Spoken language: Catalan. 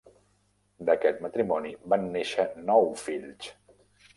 D'aquest matrimoni van néixer nou fills.